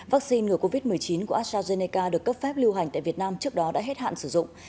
vaccine ngừa covid một mươi chín của astrazeneca được cấp phép lưu hành tại việt nam trước đó đã hết hạn sử dụng